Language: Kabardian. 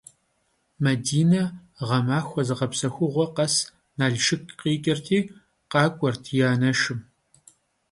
Madine ğemaxue zığepsexuğue khes Nalşşık khiç'ırti khak'uert yi aneşşım.